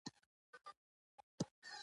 خولۍ د پښتنو شجاعت ښکارندویي کوي.